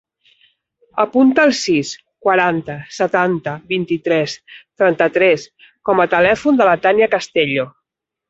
Apunta el sis, quaranta, setanta, vint-i-tres, trenta-tres com a telèfon de la Tània Castello.